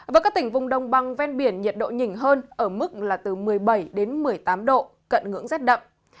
với các tỉnh vùng đồng bằng ven biển nhiệt độ nhìn hơn ở mức là từ một mươi bảy đến một mươi tám độ cận ngưỡng rét đậm